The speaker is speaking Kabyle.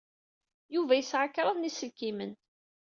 Yuba yesɛa kraḍ n yiselkimen.